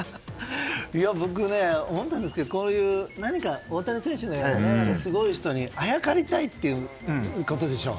僕、思ったんですけど大谷選手のような、すごい人にあやかりたいということでしょう。